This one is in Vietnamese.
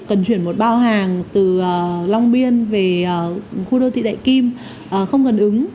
cần chuyển một bao hàng từ long biên về khu đô thị đại kim không gần ứng